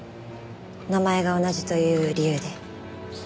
名前が同じという理由で。